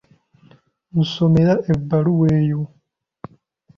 Nsomera ebbaluwa eyo.